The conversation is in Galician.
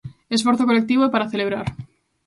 Esforzo colectivo e para celebrar.